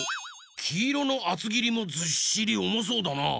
きいろのあつぎりもずっしりおもそうだな。